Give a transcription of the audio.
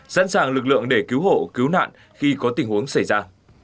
sẵn sàng lực lượng để cứu hộ cứu nạn khi có tình huống xảy ra